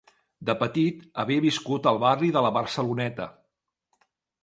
De petit havia viscut al barri de la Barceloneta.